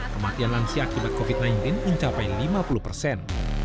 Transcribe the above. kematian lansia akibat covid sembilan belas mencapai lima puluh persen